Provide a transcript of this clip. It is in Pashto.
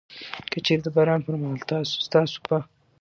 که چيري د باران پر مهال ستاسو په